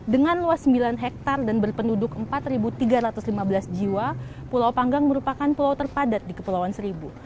dengan luas sembilan hektare dan berpenduduk empat tiga ratus lima belas jiwa pulau panggang merupakan pulau terpadat di kepulauan seribu